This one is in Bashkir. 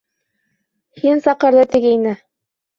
Һин саҡырҙы, тигәйне.